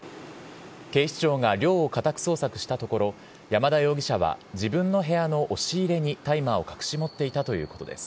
警視庁が寮を家宅捜索したところ山田容疑者は自分の部屋の押し入れに大麻を隠して持っていたということです。